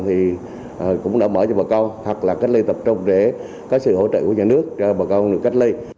thì cũng đã mở cho bà con hoặc là cách ly tập trung để có sự hỗ trợ của nhà nước cho bà con được cách ly